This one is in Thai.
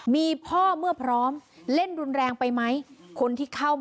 มีพ่อเมื่อพร้อมเล่นรุนแรงไปไหม